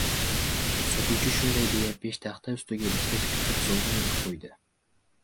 Sotuvchi shunday deya peshtaxta ustiga ikkita kirsovun qo‘ydi.